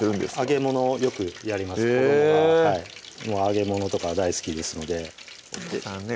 揚げ物よくやります子どもが揚げ物とか大好きですのでお子さんね